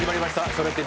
「それって！？